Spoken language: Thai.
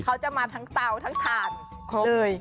เอาทั้งตาวทุกวันนี้